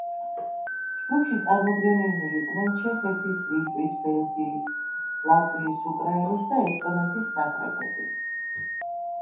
ჯგუფში წარმოდგენილნი იყვნენ ჩეხეთის, ლიტვის, ბელგიის, ლატვიის, უკრაინის და ესტონეთის ნაკრებები.